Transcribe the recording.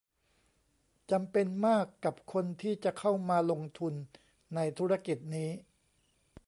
จำเป็นมากกับคนที่จะเข้ามาลงทุนในธุรกิจนี้